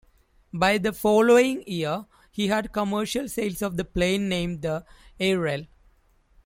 By the following year, he had commercial sales of the plane, named the "Ayrel".